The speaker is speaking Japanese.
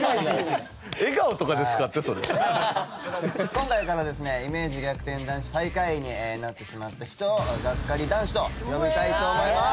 今回からですねイメージ逆転男子最下位になってしまった人を「がっかり男子」と呼びたいと思います。